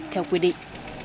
theo quy định